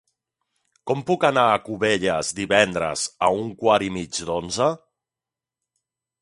Com puc anar a Cubelles divendres a un quart i mig d'onze?